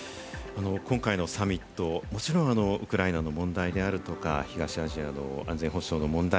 今回のサミット、もちろんウクライナの問題であるとか、東アジアの安全保障の問題。